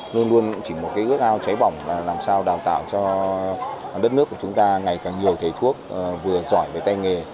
luôn luôn chỉ một cái ước ao cháy bỏng là làm sao đào tạo cho đất nước của chúng ta ngày càng nhiều thầy thuốc vừa giỏi về tay nghề